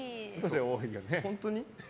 本当に？